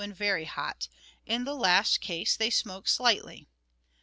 when very hot; in the last case they smoke slightly.